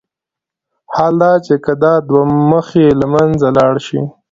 حال دا چې که دا دوه مخي له منځه لاړ شي.